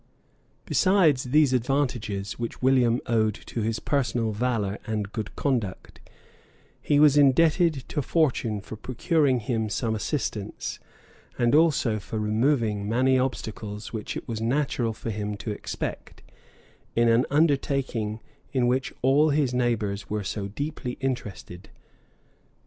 Besides these advantages, which William owed to his personal valor and good conduct, he was indebted to fortune for procuring him some assistance, and also for removing many obstacles which it was natural for him to expect, in an undertaking in which all his neighbors were so deeply interested.